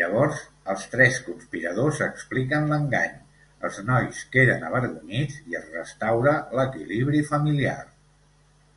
Llavors els tres conspiradors expliquen l’engany, els nois queden avergonyits i es restaura l'equilibri familiar.